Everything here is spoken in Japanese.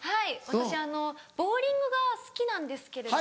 私ボウリングが好きなんですけれども。